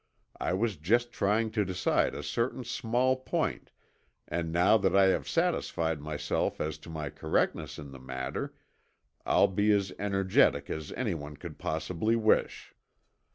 I was just trying to decide a certain small point and now that I have satisfied myself as to my correctness in the matter, I'll be as energetic as anyone could possibly wish."